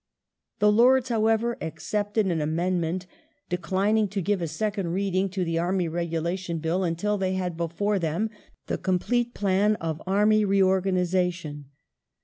The Lords, however, accepted an amendment declining to give a second Reading to the Army Regulation Bill until they had before them the complete plan of Ai*my reorganization.